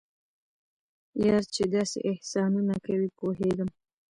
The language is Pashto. یار چې داسې احسانونه کوي پوهیږم.